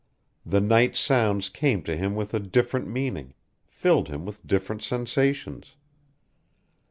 The night sounds came to him with a different meaning, filled him with different sensations.